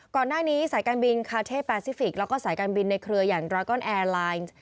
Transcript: ก่อนหน้านี้สายการบินคาเท่แปซิฟิกแล้วก็สายการบินในเครืออย่างดรากอนแอร์ไลน์